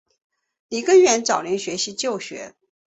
李根源早年学习旧学。